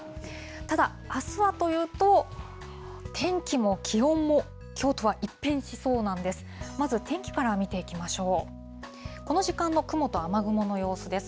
ただ、あすはというと、天気も気温もきょうとは一変しそうなんです。